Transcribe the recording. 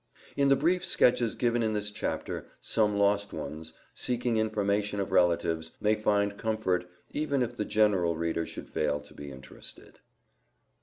In the brief sketches given in this chapter, some lost ones, seeking information of relatives, may find comfort, even if the general reader should fail to be interested.